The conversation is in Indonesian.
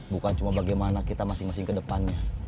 bukan cuma bagaimana kita masing masing kedepannya